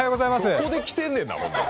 どこで来てんねんな！